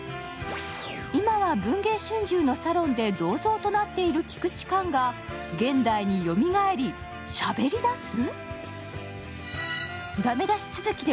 今は文藝春秋のサロンで銅像となっている菊池寛が現代によみがえり、しゃべりだす？